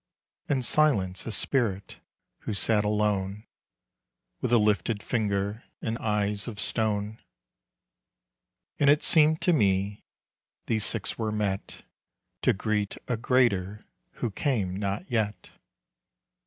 And Silence, a spirit who sat alone With a lifted finger and eyes of stone. And it seemed to me these six were met To greet a greater who came not yet.